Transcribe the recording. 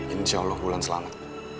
insya allah wulan selamat